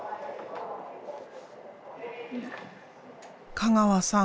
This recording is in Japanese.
香川さん。